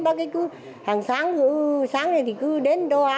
bác cứ hàng sáng sáng này thì cứ đến đồ ăn